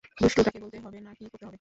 দুষ্টুটাকে বলতে হবে না কী করতে হবে।